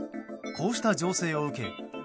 こうした情勢を受け